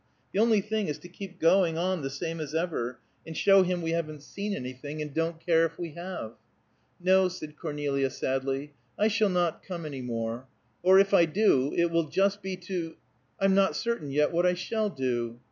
"The only thing is to keep going on the same as ever, and show him we haven't seen anything, and don't care if we have." "No," said Cornelia sadly, "I shall not come any more. Or, if I do, it will just be to I'm not certain yet what I shall do."